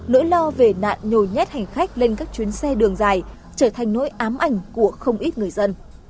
nỗi lo về nạn nhồi nhét hành khách lên các chuyến xe đường dài trở thành nỗi ám ảnh của không ít người dân